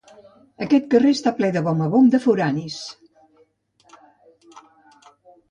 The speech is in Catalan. Aquest carrer està ple de gom a gom de foranis.